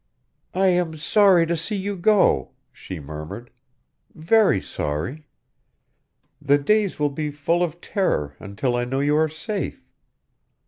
"I am sorry to see you go," she murmured, "very sorry. The days will be full of terror until I know you are safe."